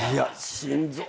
心臓。